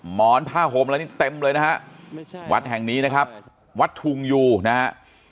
หมอนผ้าห่มอะไรนี่เต็มเลยนะฮะไม่ใช่วัดแห่งนี้นะครับวัดทุงยูนะฮะ